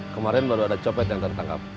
kemarin baru ada copet yang tertangkap